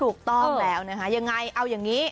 ถูกต้องแล้วนะคะยังไงเอาอย่างนี้